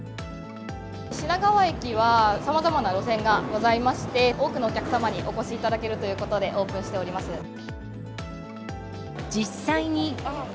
品川駅はさまざまな路線がございまして、多くのお客様にお越しいただけるということで、オープンしており実際に。